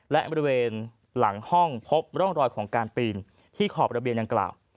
และบริเวณหลังห้องพบร่องรอยของการปีนที่ขอบระเบียงดังกล่าว